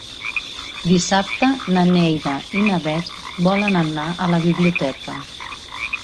Dissabte na Neida i na Bet volen anar a la biblioteca.